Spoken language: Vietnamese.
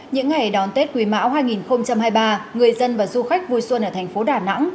những ngày đón tết quý mão hai nghìn hai mươi ba người dân và du khách vui xuân ở thành phố đà nẵng